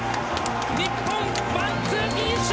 日本ワンツーフィニッシュ！」。